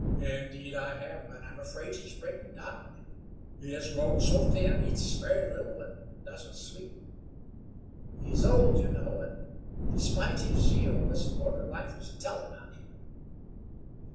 "Indeed I have, and I'm afraid he's breaking down. He has grown so thin, eats very little, and doesn't sleep. He is old, you know, and, despite his zeal, this border life is telling on him."